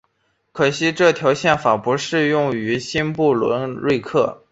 很可惜这条宪法只适用于新不伦瑞克。